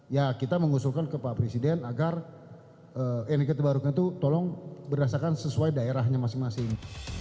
ya kita mengusulkan ke pak presiden agar energi terbarukan itu tolong berdasarkan sesuai daerahnya masing masing